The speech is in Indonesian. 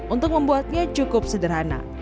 untuk membuatnya cukup sederhana